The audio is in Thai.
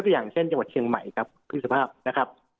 อย่างเช่นจังหวัดเชียงใหม่ครับพี่สุภาพนะครับ